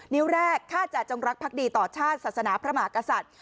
้วแรกข้าจะจงรักพักดีต่อชาติศาสนาพระมหากษัตริย์